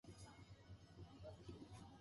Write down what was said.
海鮮丼を食べたい。